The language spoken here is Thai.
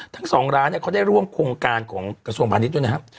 ทั้ง๒ร้านเนี่ยเขาได้ร่วมโครงการของกระทรวงพาณิชย์ด้วยนะครับ